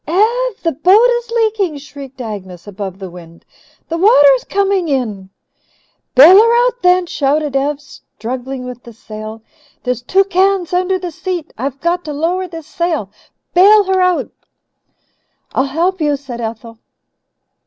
"Ev, the boat is leaking!" shrieked Agnes, above the wind. "The water's coming in!" "Bail her out then," shouted Ev, struggling with the sail. "There's two cans under the seat. I've got to lower this sail. Bail her out." "I'll help you," said Ethel.